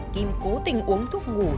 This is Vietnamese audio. kim cố tình uống thuốc muối